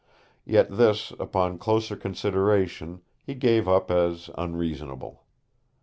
Yet this, upon closer consideration, he gave up as unreasonable.